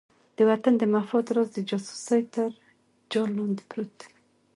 د وطن د مفاد راز د جاسوسۍ تر جال لاندې پروت دی.